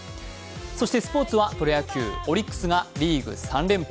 そしてスポ−ツはプロ野球、オリックスがリーグ３連覇。